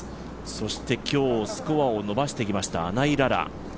そして今日、スコアを伸ばしてきました穴井詩。